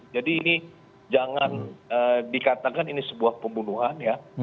jadi ini jangan dikatakan ini sebuah pembunuhan ya